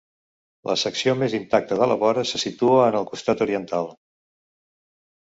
La secció més intacta de la vora se situa en el costat oriental.